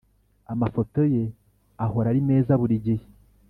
amafoto ye ahora ari meza burigihe